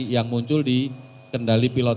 yang muncul di kendali pilot